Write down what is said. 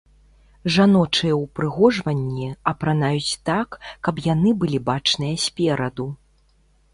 Жаночыя ўпрыгожванні апранаюць так, каб яны былі бачныя спераду.